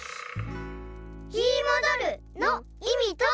・「ひもどる」のいみとは？